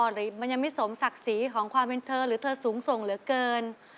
หรือมันยังไม่สมศักดิ์ศรีของความเป็นเธอหรือเธอสูงส่งเหลือเกิน